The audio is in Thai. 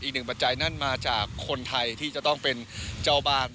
ปัจจัยนั่นมาจากคนไทยที่จะต้องเป็นเจ้าบ้าน